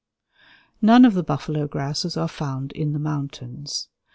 None of the buffalo grasses are found in the mountains.